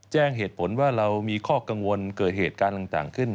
แจ้งเหตุผลว่าเรามีข้อกังวลเกิดเหตุการณ์ต่างขึ้น